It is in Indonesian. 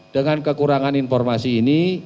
dengan kekurangan informasi ini